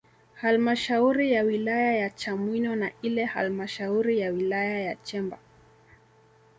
Halmashauri ya Wilaya ya Chamwino na ile halmashauri ya wilaya ya Chemba